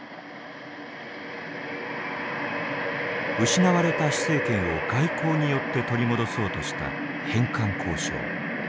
失われた施政権を外交によって取り戻そうとした返還交渉。